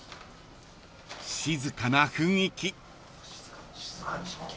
［静かな雰囲気］